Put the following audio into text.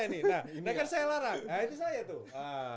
nah ini saya tuh